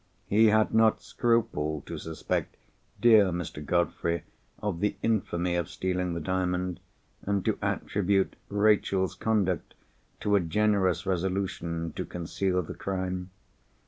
He had not scrupled to suspect dear Mr. Godfrey of the infamy of stealing the Diamond, and to attribute Rachel's conduct to a generous resolution to conceal the crime.